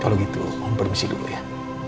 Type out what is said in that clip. kalau gitu om permisi dulu ya